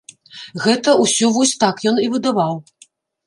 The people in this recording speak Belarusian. Гэта ўсё вось так ён і выдаваў.